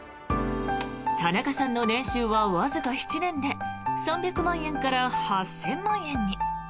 田中さんの年収はわずか７年で３００万円から８０００万円に。